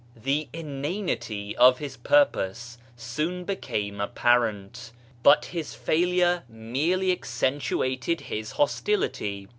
The inanity of his purpose soon became apparent But his failure merely accentuated his hostility.